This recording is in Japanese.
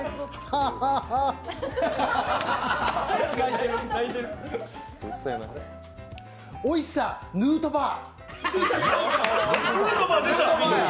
あっおいしさ、ヌートバー。